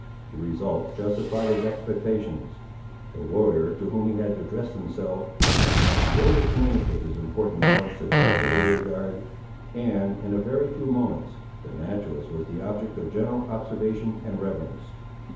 The result justified his expectations. The warrior, to whom he had addressed himself, was not slow to communicate his important knowledge to the rest of the rear guard, and, in a very few moments, the naturalist was the object of general observation and reverence.